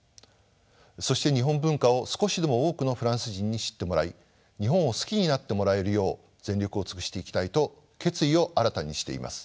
そして日本文化を少しでも多くのフランス人に知ってもらい日本を好きになってもらえるよう全力を尽くしていきたいと決意を新たにしています。